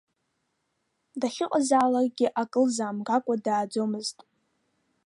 Дахьыҟазаалакгьы акы лзаамгакәа дааӡомызт.